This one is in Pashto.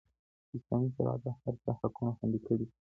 اسلامي شريعت د هر چا حقونه خوندي کړي دي.